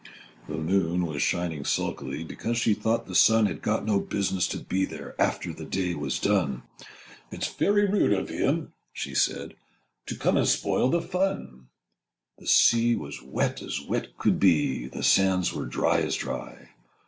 The moon was shining sulkily, Â Â Â Â Because she thought the sun Had got no business to be there Â Â Â Â After the day was done— 'It's very rude of him,' she said, Â Â Â Â 'To come and spoil the fun!' The sea was wet as wet could be, Â Â Â Â The sands were dry as dry.